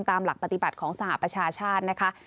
ตามหลักปฏิบัติของสหประชาชาตินะคะ